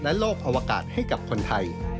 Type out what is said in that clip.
โลกอวกาศให้กับคนไทย